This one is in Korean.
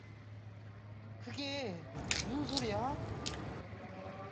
그게 무슨 소리야?